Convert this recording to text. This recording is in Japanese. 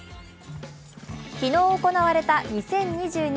昨日行われた２０２２